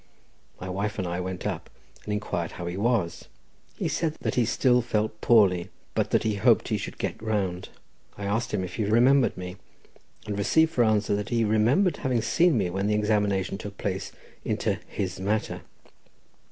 My wife and I went up and inquired how he was. He said that he still felt poorly, but that he hoped he should get round. I asked him if he remembered me; and received for answer that he remembered having seen me when the examination took place into "his matter."